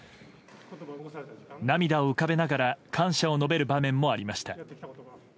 涙を浮かべながら感謝を述べる場面もありました。